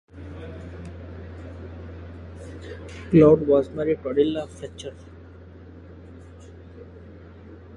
Gould was married to Adelia Fletcher.